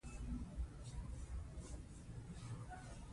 دوی اوبه نیولې دي.